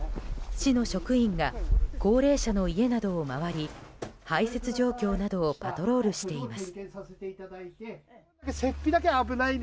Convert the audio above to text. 市の職員が高齢者の家などを回り排雪状況などをパトロールしています。